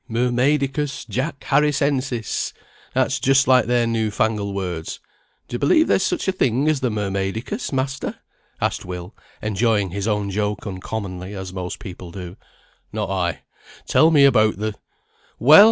Mermaidicus Jack Harrisensis; that's just like their new fangled words. D'ye believe there's such a thing as the Mermaidicus, master?" asked Will, enjoying his own joke uncommonly, as most people do. "Not I! Tell me about the " "Well!"